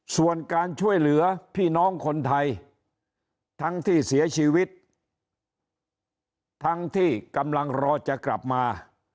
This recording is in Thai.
ส่วนการช่วยเหลือพี่น้องคนไทยทั้งที่เสียชีวิตทั้งที่กำลังรอจะกลับมา